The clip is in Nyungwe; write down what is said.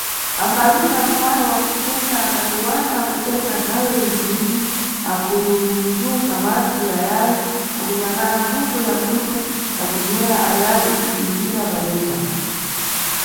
Ambaluza mpata wa kupfundza angati wana akutenga nthawe izinji akutunga madzi ayayi akunyangʼana mbuto ya bwino ya kunyera ayayi kutundira padeca.